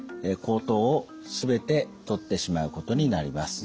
喉頭を全て取ってしまうことになります。